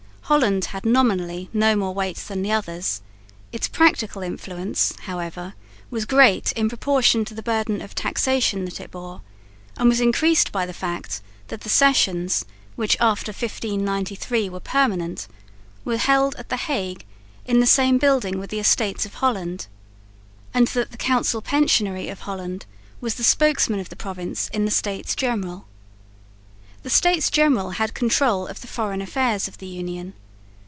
Holland had nominally no more weight than the others; its practical influence, however, was great in proportion to the burden of taxation that it bore and was increased by the fact that the sessions, which after 1593 were permanent, were held at the Hague in the same building with the Estates of Holland, and that the Council Pensionary of Holland was the spokesman of the province in the States General. The States General had control of the foreign affairs of the Union.